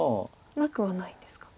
なくはないですか。